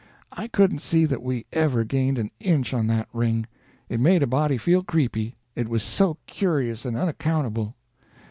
I couldn't see that we ever gained an inch on that ring. It made a body feel creepy, it was so curious and unaccountable.